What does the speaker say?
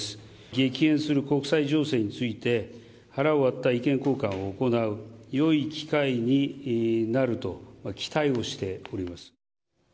激変する国際情勢について、腹を割った意見交換を行うよい機会になると期待をしております。